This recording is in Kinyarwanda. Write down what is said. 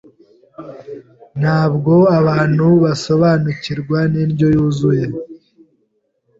ntago abantu basobanukirwa ni ndyo yuzuye